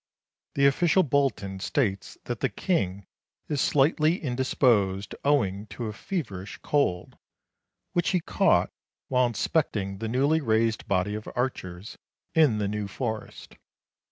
The official bulletin states that the King is slightly indisposed owing to a feverish cold, which he caught while inspecting the newly raised body of archers, in the New Forest.